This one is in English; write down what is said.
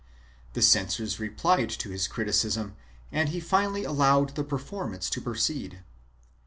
The censors replied to his criticism and he finally allowed the performance to proceed.